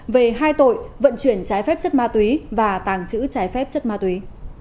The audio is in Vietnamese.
về hai tội vận chuyển trái phép chất ma túy và tàng trữ trái phép chất ma túy